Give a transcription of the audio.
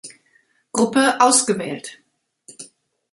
Gruppe ausgewählt.